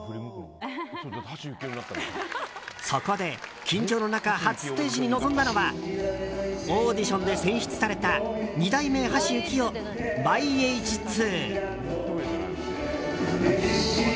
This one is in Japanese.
そこで緊張の中初ステージに臨んだのはオーディションで選出された二代目橋幸夫ｙＨ２。